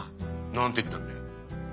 何て言ったんだよ？